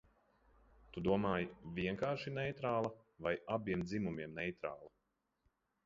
"Tu domāji "vienkārši neitrāla" vai "abiem dzimumiem neitrāla"?"